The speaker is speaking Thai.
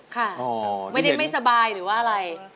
ค่ะไว้เล่นไม่สบายหรือว่าอะไร